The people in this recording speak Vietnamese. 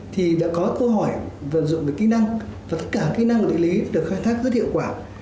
thì đã có câu hỏi vận dụng được kỹ năng và tất cả kỹ năng địa lý được khai thác rất hiệu quả